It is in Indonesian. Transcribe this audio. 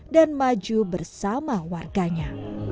dan maju bersama warganya